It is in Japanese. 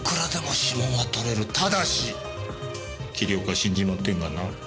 ただし桐岡死んじまってるがな。